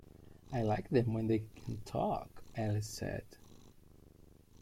‘I like them when they can talk,’ Alice said.